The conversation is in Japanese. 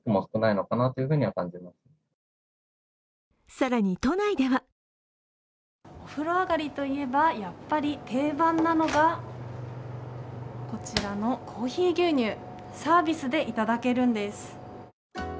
更に都内ではお風呂上がりといえば、やっぱり定番なのがこちらのコーヒー牛乳、サービスで頂けるんです。